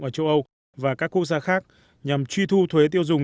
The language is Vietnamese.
ở châu âu và các khu xa khác nhằm truy thu thuế tiêu dùng